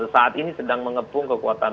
saat ini sedang mengepung